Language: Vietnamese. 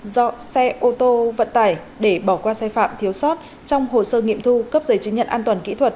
do xe ô tô vận tải để bỏ qua sai phạm thiếu sót trong hồ sơ nghiệm thu cấp giấy chứng nhận an toàn kỹ thuật